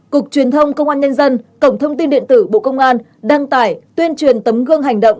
cục truyền thông công an nhân dân cổng thông tin điện tử bộ công an đăng tải tuyên truyền tấm gương hành động